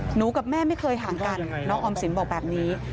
กับแม่ไม่เคยห่างกันน้องออมสินบอกแบบนี้